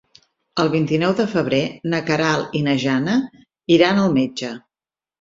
El vint-i-nou de febrer na Queralt i na Jana iran al metge.